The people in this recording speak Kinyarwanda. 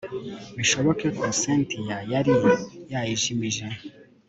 bishoboke ko cyntia yari yayijimije